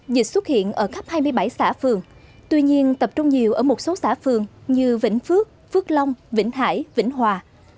dịch xuất hiện ở khắp hai mươi bảy xã phường tuy nhiên tập trung nhiều ở một số xã phường như vĩnh phước phước long vĩnh hải vĩnh hòa